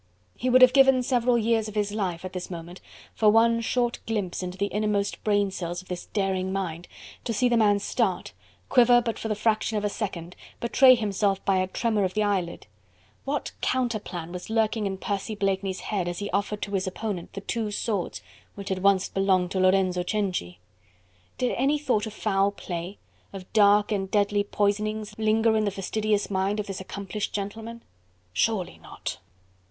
He would have given several years of his life at this moment for one short glimpse into the innermost brain cells of this daring mind, to see the man start, quiver but for the fraction of a second, betray himself by a tremor of the eyelid. What counterplan was lurking in Percy Blakeney's head, as he offered to his opponent the two swords which had once belonged to Lorenzo Cenci? Did any thought of foul play, of dark and deadly poisonings linger in the fastidious mind of this accomplished gentleman? Surely not!